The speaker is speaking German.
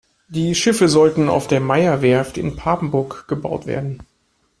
Die Schiffe sollten auf der Meyer Werft in Papenburg gebaut werden.